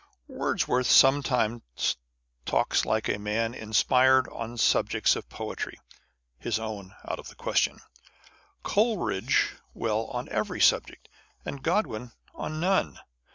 Wordsworth sometimes talks like a man inspired on sub jects of poetry (his own out of the question) â€" Coleridge well on every subject, and Godwin on none.